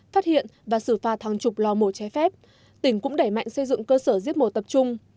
phát hiện và xử phạt hàng chục lò mổ trái phép tỉnh cũng đẩy mạnh xây dựng cơ sở giết mổ tập trung